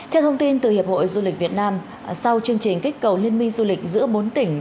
theo thông tin từ hiệp hội du lịch việt nam sau chương trình kích cầu liên minh du lịch giữa bốn tỉnh